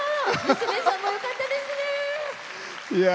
娘さんもよかったですね。